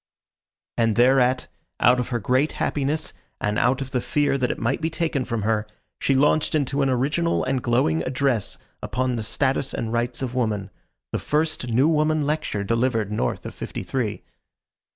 And thereat, out of her great happiness and out of the fear that it might be taken from her, she launched into an original and glowing address upon the status and rights of woman the first new woman lecture delivered north of Fifty three.